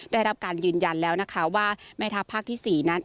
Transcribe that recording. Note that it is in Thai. ได้รับการยืนยันแล้วนะคะว่าแม่ทัพภาคที่๔นั้น